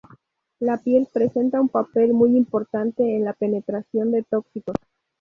La piel presenta un papel muy importante en la penetración de tóxicos.